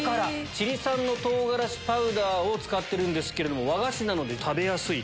チリ産の唐辛子パウダーを使ってるんですけれども和菓子なので食べやすいと。